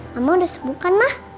mama udah sembuh kan ma